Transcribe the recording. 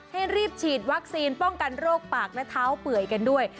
ให้รีบฉีดวัคซีนป้องกันโรคปากและเท้าเปื่อยกันด้วย